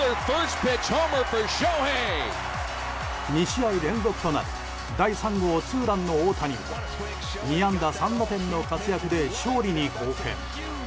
２試合連続となる第３号ツーランの大谷は２安打３打点の活躍で勝利に貢献。